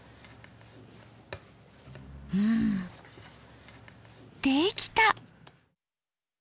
うんできた！